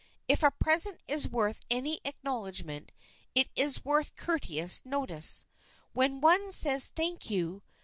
If a present is worth any acknowledgment, it is worth courteous notice. When one says "Thank you!"